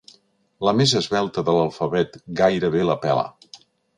La més esvelta de l'alfabet gairebé la pela.